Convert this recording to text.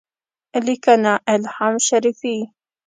لیکنه: الهام شریفی